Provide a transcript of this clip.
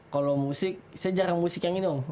kalau musik saya jarang musik yang ini dong